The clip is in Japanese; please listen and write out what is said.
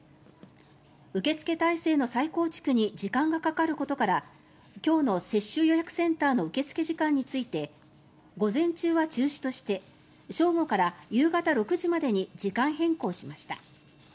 受付体制の再構築に時間がかかることから今日の接種予約センターの受付時間について午前中は中止として正午から夕方６時までに時間変更しました。